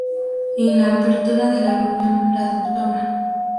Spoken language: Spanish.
En la apertura de la reunión, la Dra.